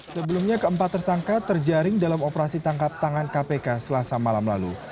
sebelumnya keempat tersangka terjaring dalam operasi tangkap tangan kpk selasa malam lalu